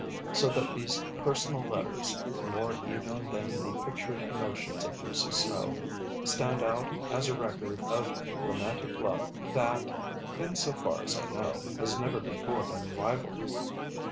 So that these personal letters, more even than the pictured emotions of Lucy Snowe, stand out as a record of romantic love that (in so far as I know) has never before been rivalled.